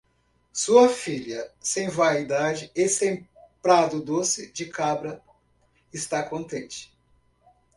Sua filha, sem vaidade e sem prado doce de cabra, está contente.